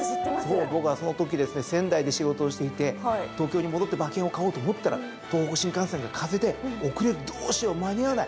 もう僕はそのときですね仙台で仕事をしていて東京に戻って馬券を買おうと思ったら東北新幹線が風で遅れるどうしよう間に合わない！